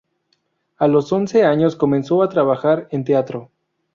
A los once años comenzó a trabajar en teatro.